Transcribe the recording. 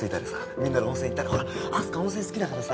みんなで温泉行ったり明日香温泉好きだからさ